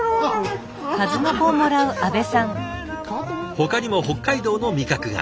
ほかにも北海道の味覚が。